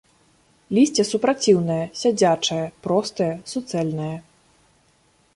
Лісце супраціўнае, сядзячае, простае, суцэльнае.